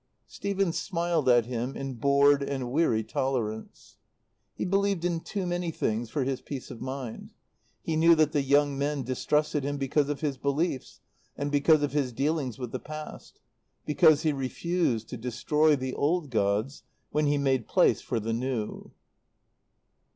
Stephen smiled at him in bored and weary tolerance. He believed in too many things for his peace of mind. He knew that the young men distrusted him because of his beliefs, and because of his dealings with the past; because he refused to destroy the old gods when he made place for the new.